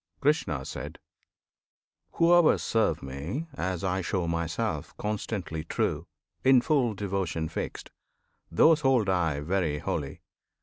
Krishna. Whoever serve Me as I show Myself Constantly true, in full devotion fixed, Those hold I very holy.